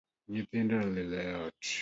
Nythindo olilo ot